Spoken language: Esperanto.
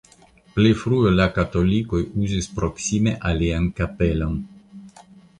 Pli frue la katolikoj uzis proksime alian kapelon.